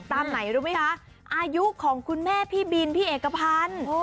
ไหนรู้ไหมคะอายุของคุณแม่พี่บินพี่เอกพันธ์